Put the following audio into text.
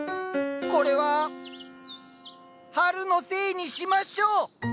これは春のせいにしましょう。